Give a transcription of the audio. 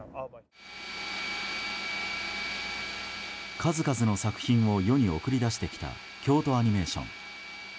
数々の作品を世に送り出してきた京都アニメーション。